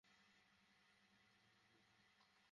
পরে প্রশাসনের পক্ষ থেকে চার সদস্যের কমিটি গঠন করে দেওয়া হয়।